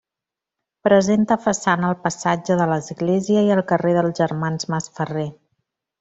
Presenta façana al passatge de l'Església i al carrer dels Germans Masferrer.